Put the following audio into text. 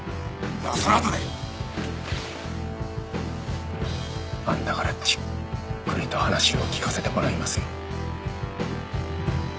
だがそのあとであんたからじっくりと話を聞かせてもらいますよ。